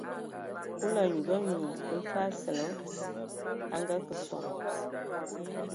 Kulu a nyugu anyu mfag Asǝlǝg a ngakǝ sɔbɔ.